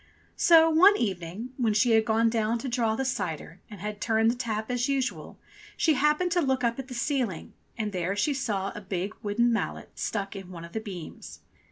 So one evening when she had gone down to draw the cider and had turned the tap as usual, she happened to look up at the ceiling, and there she saw a big wooden mallet stuck in one of the beams.